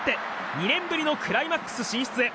２年ぶりのクライマックス進出へ。